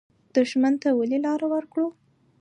دښمن ته ولې لار ورکړو؟